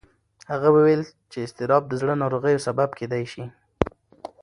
هغه وویل چې اضطراب د زړه ناروغیو سبب کېدی شي.